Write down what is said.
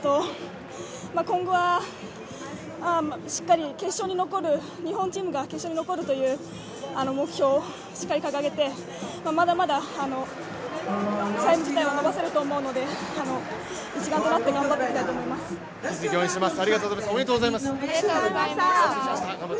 今後は日本チームが決勝に残るという目標をしっかり掲げて、まだまだタイム自体は伸ばせると思うので一丸となって頑張っていきたいと思います。